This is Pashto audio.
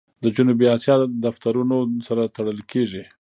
د جنوبي آسیا د دفترونو سره تړل کېږي.